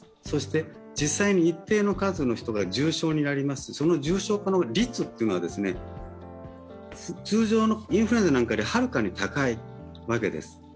そして、実際に一定の数の人が重症になりますと、重症化の率というのは通常のインフルエンザなんかよりはるかに高いわけです